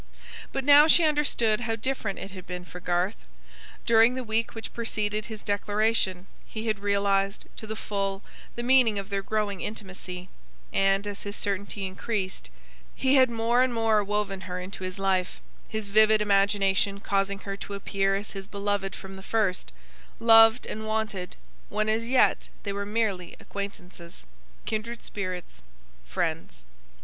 But now she understood how different it had been for Garth. During the week which preceded his declaration, he had realised, to the full, the meaning of their growing intimacy; and, as his certainty increased, he had more and more woven her into his life; his vivid imagination causing her to appear as his beloved from the first; loved and wanted, when as yet they were merely acquaintances; kindred spirits; friends.